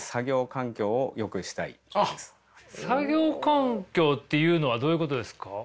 作業環境っていうのはどういうことですか？